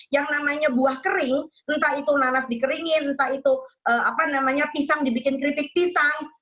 yang namanya buah kering entah itu nanas dikeringin entah itu apa namanya pisang dibikin keripik pisang